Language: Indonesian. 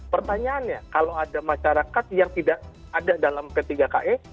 pertanyaannya kalau ada masyarakat yang tidak ada dalam p tiga ka